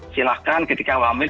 silahkan ketika wamil